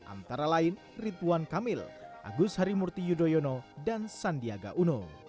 antara lain ridwan kamil agus harimurti yudhoyono dan sandiaga uno